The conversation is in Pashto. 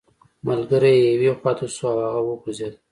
ملګری یې یوې خوا ته شو او هغه وغورځیده